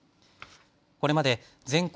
これまで全国